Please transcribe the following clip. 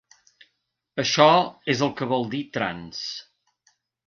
Això és el que vol dir "Trans".